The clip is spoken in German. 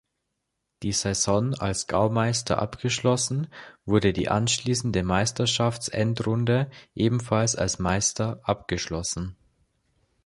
Die Saison als Gaumeister abgeschlossen wurde die anschließende Meisterschaftsendrunde ebenfalls als Meister abgeschlossen.